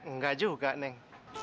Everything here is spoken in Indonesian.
nggak juga neng